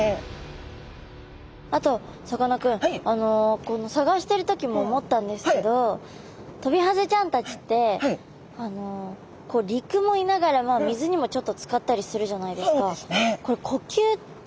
あとさかなクン探してる時も思ったんですけどトビハゼちゃんたちって陸もいながらも水にもちょっとつかったりするじゃないですか。